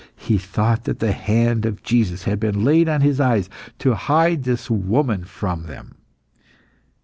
He thought that the hand of Jesus had been laid on his eyes, to hide this woman from them.